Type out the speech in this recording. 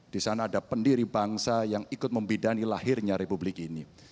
di sana ada pendiri bangsa yang ikut membidani lahirnya republik ini